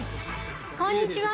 こんにちは！